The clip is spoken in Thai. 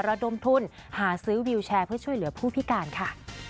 ระดมทุนหาซื้อวิวแชร์เพื่อช่วยเหลือผู้พิการค่ะ